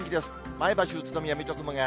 前橋、宇都宮、水戸、熊谷。